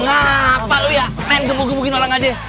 ngapa lo ya main gemuk gemukin orang aja